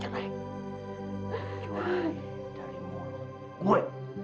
jualan dari mulut gua